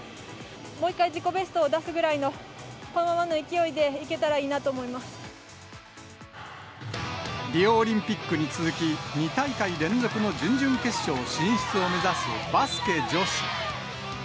もう１回自己ベストを出すぐらいの、このままの勢いでいけたらいリオオリンピックに続き、２大会連続の準々決勝進出を目指すバスケ女子。